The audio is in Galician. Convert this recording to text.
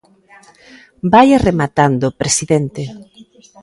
Vaia rematando presidente.